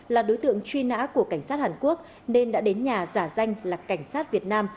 là đối tượng truy nã của cảnh sát hàn quốc nên đã đến nhà giả danh là cảnh sát việt nam